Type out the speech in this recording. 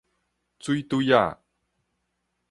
水碓仔